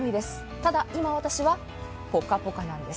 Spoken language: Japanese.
ただ今、私はポカポカなんです。